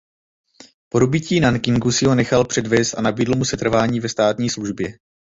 Po dobytí Nankingu si ho nechal předvést a nabídl mu setrvání ve státní službě.